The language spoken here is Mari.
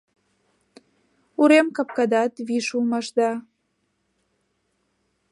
Урем капкадат виш улмаш да